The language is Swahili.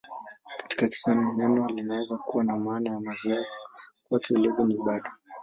Katika Kiswahili neno linaweza kuwa na maana ya mazoea: "Kwake ulevi ni ibada".